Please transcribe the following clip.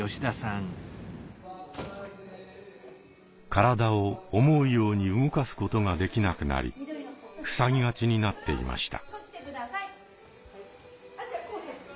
体を思うように動かすことができなくなりふさぎがちになっていました。